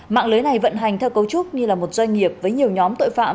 mạng lưới này vận hành theo cấu trúc như là một doanh nghiệp với nhiều nhóm tội phạm